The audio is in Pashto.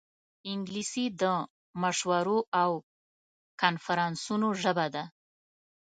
انګلیسي د مشورو او کنفرانسونو ژبه ده